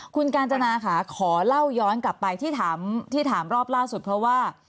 คุณกาญจนาค่ะขอเล่าย้อนกลับไปที่ถามรอบล่าสุดเพราะว่า